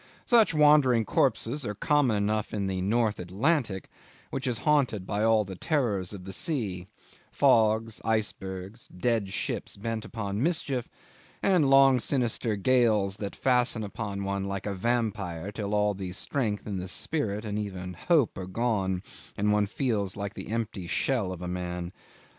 Such wandering corpses are common enough in the North Atlantic, which is haunted by all the terrors of the sea, fogs, icebergs, dead ships bent upon mischief, and long sinister gales that fasten upon one like a vampire till all the strength and the spirit and even hope are gone, and one feels like the empty shell of a man.